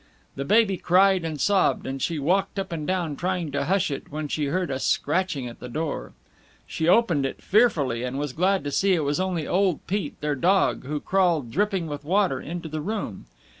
The baby cried and sobbed, and she walked up and down trying to hush it when she heard a scratching at the door. She opened it fearfully, and was glad to see it was only old Pete, their dog, who crawled, dripping with water, into the room.